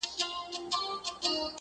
را گران يې کله کم او کله زيات راته وايي,